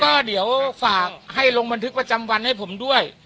ก็เดี๋ยวฝากให้ลงบันทึกประจำวันให้ผมด้วย